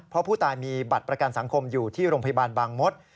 เพราะผู้ตายมีบัตรประกันสังคมอยู่ที่โรงพยาบาลบางมศ